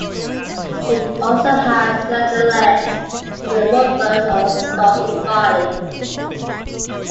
It also has slender legs with a robust or stocky body.